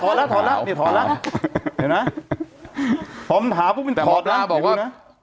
ถอดแล้วถอดแล้วนี่ถอดแล้วเห็นไหมพร้อมหาพวกมันถอดแล้วแต่หมอบลาบอกว่า